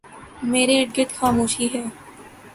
میرے اردگرد خاموشی ہے ۔